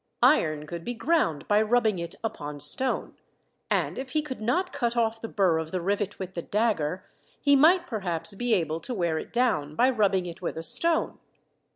Iron could be ground by rubbing it upon stone, and if he could not cut off the burr of the rivet with the dagger, he might perhaps be able to wear it down, by rubbing it with a stone.